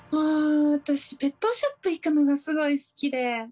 私ペットショップ行くのがすごい好きで。